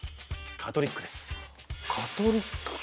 カトリックか。